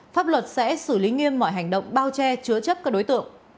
pháp luật sẽ xử lý nghiêm mọi hành động bao che chứa chấp các đối tượng